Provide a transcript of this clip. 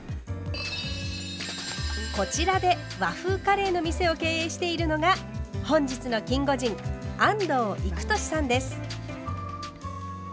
こちらで和風カレーの店を経営しているのが本日のキンゴジン安藤育敏さんです。